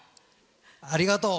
ありがとう！